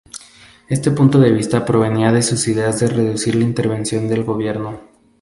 Este punto de vista provenía de sus ideas de reducir la intervención del gobierno.